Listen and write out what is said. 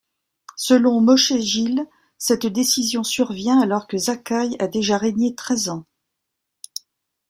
Selon Moshe Gil, cette décision survient alors que Zakkaï a déjà régné treize ans.